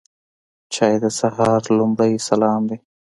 چای د سهار لومړی سلام دی.